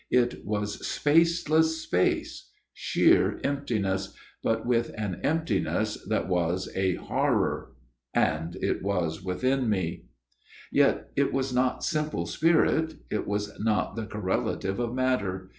It was spaceless space, sheer emptiness, but with FATHER GIRDLESTONE'S TALE 129 an emptiness that was a horror; and it was within me. " Yet it was not simple spirit it was not the correlative of matter.